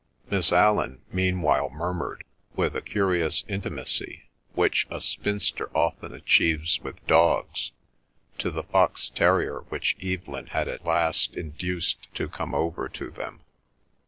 Miss Allan meanwhile murmured with the curious intimacy which a spinster often achieves with dogs, to the fox terrier which Evelyn had at last induced to come over to them.